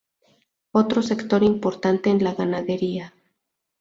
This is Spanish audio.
Otro sector importante es la ganadería.